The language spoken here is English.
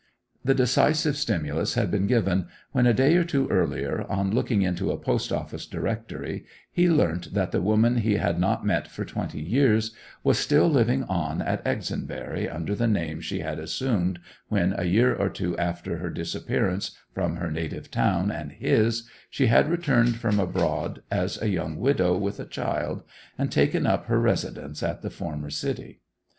The decisive stimulus had been given when, a day or two earlier, on looking into a Post Office Directory, he learnt that the woman he had not met for twenty years was still living on at Exonbury under the name she had assumed when, a year or two after her disappearance from her native town and his, she had returned from abroad as a young widow with a child, and taken up her residence at the former city.